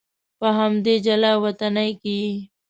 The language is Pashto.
په همدې جلا وطنۍ کې یې.